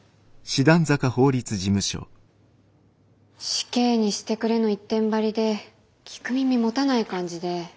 死刑にしてくれの一点張りで聞く耳持たない感じで。